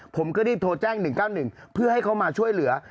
ผมก็รีบโทรแจ้ง๑๙๑เพื่อให้เขามาช่วยเหลือ